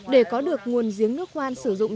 để có được nguồn giếng nước ngoan sử dụng